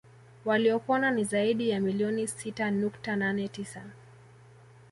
Waliopona ni zaidi ya milioni sita nukta nane tisa